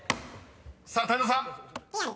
［さあ泰造さん］